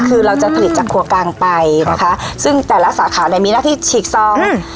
คือเราจะผลิตจากครัวกลางไปนะคะซึ่งแต่ละสาขาเนี้ยมีหน้าที่ฉีกซองอืม